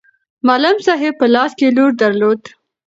معلم صاحب په لاس کې لور درلود.